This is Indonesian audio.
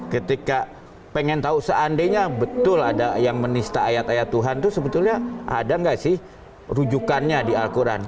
ketika pengen tahu seandainya betul ada yang menista ayat ayat tuhan itu sebetulnya ada nggak sih rujukannya di al quran